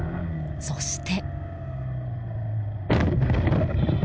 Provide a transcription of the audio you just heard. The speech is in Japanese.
そして。